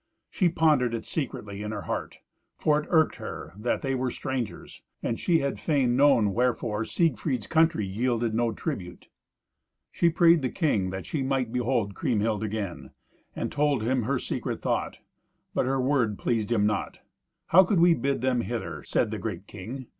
She pondered it secretly in her heart; for it irked her that they were strangers, and she had fain known wherefore Siegfried's country yielded no tribute. She prayed the king that she might behold Kriemhild again, and told him her secret thought. But her word pleased him not. "How could we bid them hither?" said the great king.